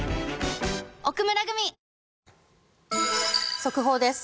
速報です。